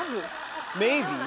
メイビー？